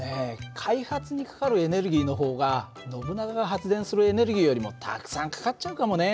開発にかかるエネルギーの方がノブナガが発電するエネルギーよりもたくさんかかっちゃうかもね。